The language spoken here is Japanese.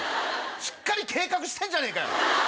しっかり計画してんじゃねえかよ。